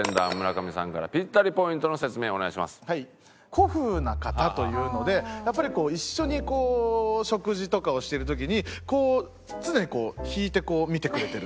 古風な方というのでやっぱり一緒にこう食事とかをしている時に常に引いて見てくれてる。